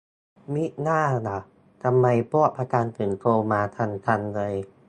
มิน่าล่ะ ทำไมพวกประกัน ถึงโทรมากันจังเลย